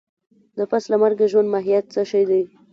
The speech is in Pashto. د پس له مرګه ژوند ماهيت څه شی دی؟